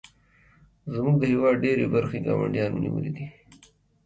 زموږ د هیواد ډیرې برخې ګاونډیانو نیولې دي